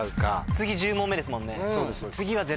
次１０問目ですもんね。